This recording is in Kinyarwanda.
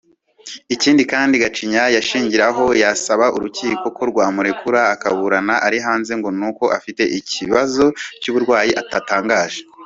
Ikindi kandi Gacinya yashingiragaho asaba urukiko ko rwamurekura akaburana ari hanze ngo nuko afite ikibazo cy’uburwayi atatangaje